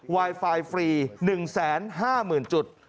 ไวไฟฟรี๑๕๐๐๐จุด